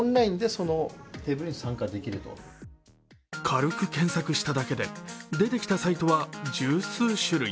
軽く検索しただけで、出てきたサイトは十数種類。